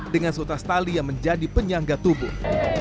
dengan sultas tali yang menjadi penyangga tubuh